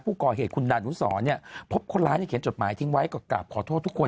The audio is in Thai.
ผู้ก่อเหตุคุณดานุสรเนี่ยพบคนร้ายเขียนจดหมายทิ้งไว้ก็กราบขอโทษทุกคน